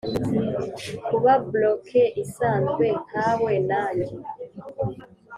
kuba bloke isanzwe nkawe na njye.